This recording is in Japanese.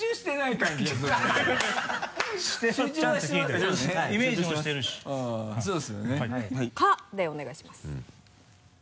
「か」でお願いします。